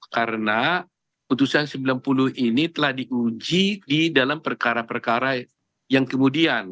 karena putusan sembilan puluh ini telah diuji di dalam perkara perkara yang kemudian